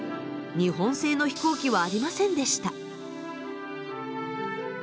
日本製の飛行機はありませんでした。